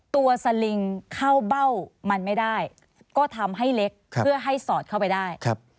สลิงเข้าเบ้ามันไม่ได้ก็ทำให้เล็กเพื่อให้สอดเข้าไปได้